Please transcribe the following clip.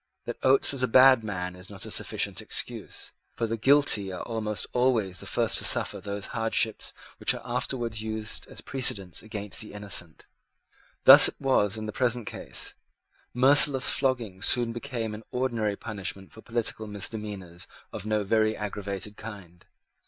That Oates was a bad man is not a sufficient excuse; for the guilty are almost always the first to suffer those hardships which are afterwards used as precedents against the innocent. Thus it was in the present case. Merciless flogging soon became an ordinary punishment for political misdemeanours of no very aggravated kind.